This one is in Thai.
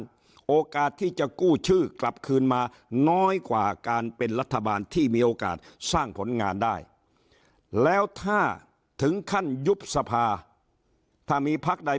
และมีโอกาสที่จะกู้ชื่อกลับคืนมาน้อยกว่าการเป็นรัฐบาลที่มีโอกาสสร้างผลงานได้